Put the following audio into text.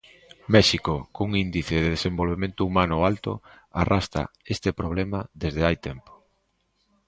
México, cun índice de desenvolvemento humano alto, arrastra este problema desde hai tempo.